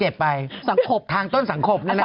อะไรวะศังกัด